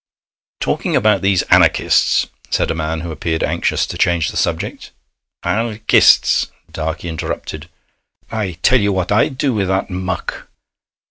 'Talking about these Anarchists ' said a man who appeared anxious to change the subject. 'An kists,' Darkey interrupted. 'I tell ye what I'd do with that muck.'